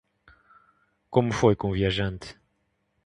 Como foi com o viajante?